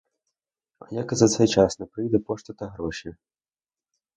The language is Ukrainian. А як і за цей час не прийде пошта та гроші?